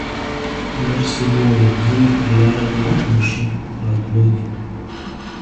نرسې وویل: ځینې پر لاره دي، رابه شي، په راتلو دي.